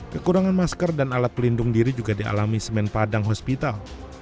kekurangan masker dan alat pelindung diri juga dialami semen padang hospital